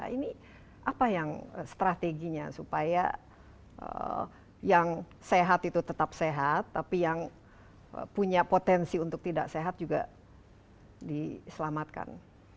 ini apa yang strateginya supaya yang sehat itu tetap sehat tapi yang punya potensi untuk tidak sehat juga diselamatkan